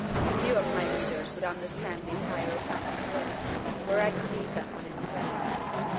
Few of my readers would understand these hierophantic words, were I to leave them unexplained.